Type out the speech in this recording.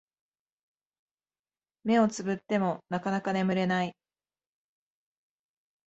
目をつぶってもなかなか眠れない